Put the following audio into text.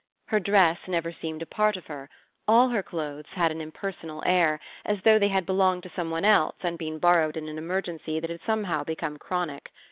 Her dress never seemed a part of her; all her clothes had an impersonal air, as though they had belonged to someone else and been borrowed in an emergency that had somehow become chronic.